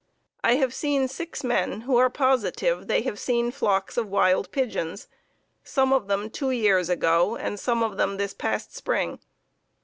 I have seen six men who are positive they have seen flocks of wild pigeons some of them two years ago, and some of them this past spring.